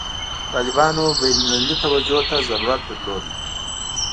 طالبانو بین المللي توجه ته ضرورت درلود.